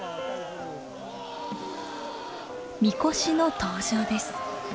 神輿の登場です。